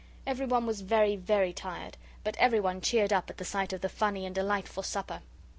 Everyone was very, very tired, but everyone cheered up at the sight of the funny and delightful supper.